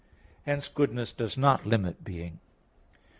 Hence goodness does not limit being.